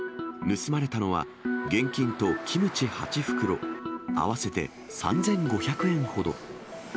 盗まれたのは、現金とキムチ８袋、合わせて３５００円ほど。